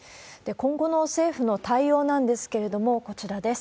今後の政府の対応なんですけれども、こちらです。